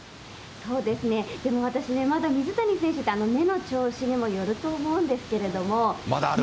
そうですね、でも私ね、まだ水谷選手って、目の調子にもよると思うんですけれども。